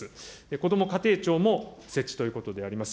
こども家庭庁も設置ということであります。